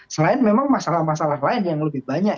selain memang masalah masalah lain yang lebih banyak